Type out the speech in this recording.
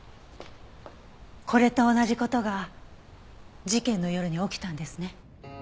これと同じ事が事件の夜に起きたんですね？